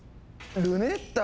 ルネッタ！